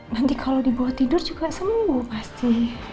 nanti kalau dibawa tidur juga sembuh pasti